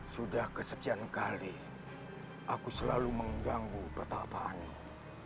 sudah kesetian kali aku selalu mengganggu petapaanmu